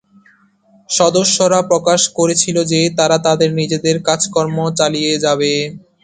সদস্যরা প্রকাশ করেছিল যে, তারা তাদের নিজেদের কাজকর্ম চালিয়ে যাবে।